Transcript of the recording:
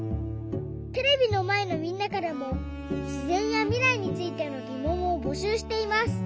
テレビのまえのみんなからもしぜんやみらいについてのぎもんをぼしゅうしています。